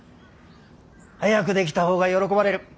早く出来た方が喜ばれる。